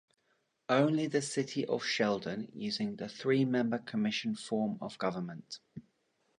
Only the city of Shelton using the three-member commission form of government.